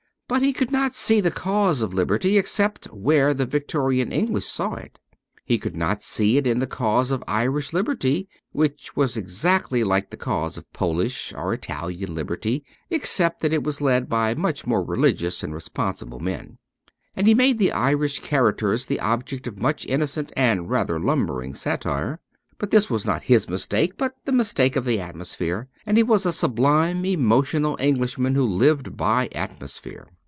But he could not see the cause of liberty except where the Victorian English saw it ; he could not see it in the cause of Irish liberty (which was exactly like the cause of Polish or Italian liberty, except that it was led by much more religious and responsible men), and he made the Irish characters the object of much innocent and rather lumbering satire. But this was not his mistake, but the mistake of the atmosphere, and he was a sublime emotional Englishman, who lived by atmosphere.